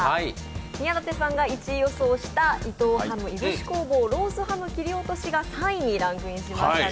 宮舘さんが１位予想した伊藤ハム燻工房ロースハム切り落としが３位にランクインしましたね。